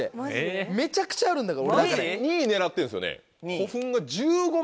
２位狙ってるんですよね？